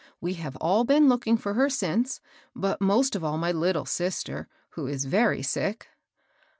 We have all been looking for her since ; but most of all my little sister, who is very sick."